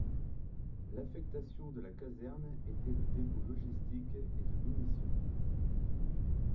L'affectation de la caserne était le dépôt logistique et de munitions.